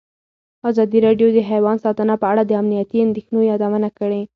ازادي راډیو د حیوان ساتنه په اړه د امنیتي اندېښنو یادونه کړې.